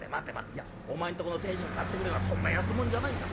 いやお前んとこの亭主が買ってくるようなそんな安物じゃないんだ。